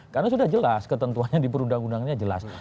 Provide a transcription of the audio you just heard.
karena sudah jelas ketentuannya di perundang undangnya jelas